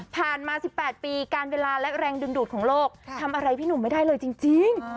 มา๑๘ปีการเวลาและแรงดึงดูดของโลกทำอะไรพี่หนุ่มไม่ได้เลยจริง